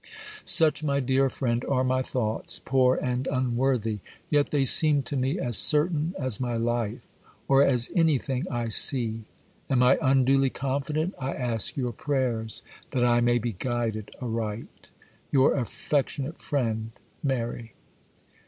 'Such, my dear friend, are my thoughts, poor and unworthy; yet they seem to me as certain as my life, or as anything I see. Am I unduly confident? I ask your prayers that I may be guided aright. 'Your affectionate friend, 'MARY.